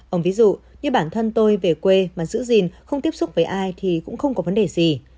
ông ví dụ như bản thân tôi về quê mà giữ gìn không tiếp xúc với ai thì cũng không có vấn đề gì